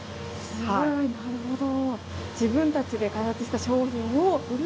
すごいなるほど。